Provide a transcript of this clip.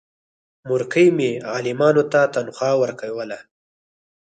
مورکۍ مې عالمانو ته تنخوا ورکوله.